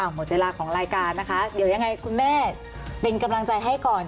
หมดเวลาของรายการนะคะเดี๋ยวยังไงคุณแม่เป็นกำลังใจให้ก่อน